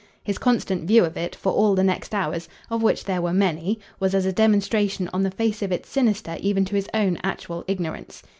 His constant view of it, for all the next hours, of which there were many, was as a demonstration on the face of it sinister even to his own actual ignorance.